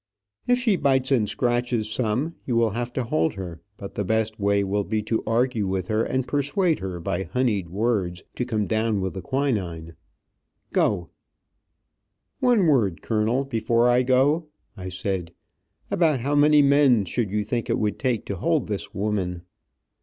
If she bites and scratches, some of you will have to hold her, but the best way will be to argue with her, and persuade her by honied words, to come down with the quinine. Go!" "One word, colonel, before I go," I said. "About how many men should you think it would take to hold this woman?